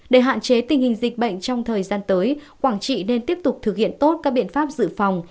để hạn chế tình hình dịch bệnh trong thời gian tới quảng trị nên tiếp tục thực hiện tốt các biện pháp dự phòng